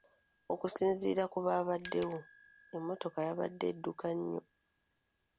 Okusinziira ku baabaddewo, emmotoka yabadde edduka nnyo.